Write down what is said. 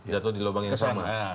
jatuh di lubang yang sama